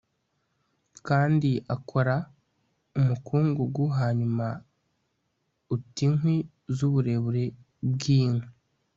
Kandi akora umukungugu hanyuma uta inkwi zuburebure bwinkwi